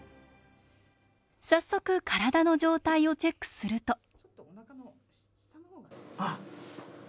早速体の状態をチェックすると。